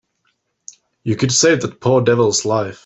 You could save that poor devil's life.